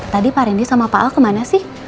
tadi pak rendy sama pak al kemana sih